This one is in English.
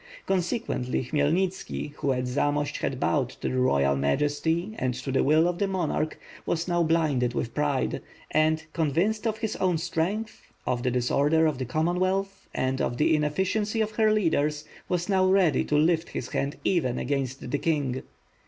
Consequently, Khmyelnitski, who at Zamost had bowed to the royal majesty and to the will of the monarch, was now blinded with pride; and, convinced of his own strength, of the disorder in the Commonwealth and of the inefficiency of her leaders, was now ready to lift his hand even against the king.